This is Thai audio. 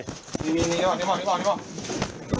นี้บอกนี้บอก